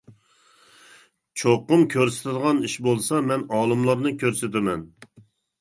چوقۇم كۆرسىتىدىغان ئىش بولسا، مەن ئالىملارنى كۆرسىتىمەن.